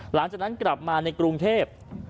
หลังจากนั้นกลับมาในกรุงเทพ